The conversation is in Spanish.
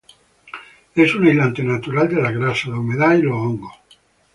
Es un aislante natural de la grasa, la humedad y los hongos.